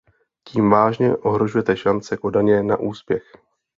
Tím vážně ohrožujete šance Kodaně na úspěch.